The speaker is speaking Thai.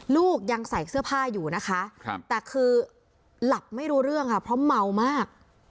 ลูกยังใส่เสื้อผ้าอยู่นะคะแต่คือหลับไม่รู้เรื่องค่ะเพราะเมามาก